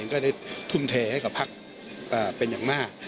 ก็ได้ทุ่มเทให้กับพักเป็นอย่างมาก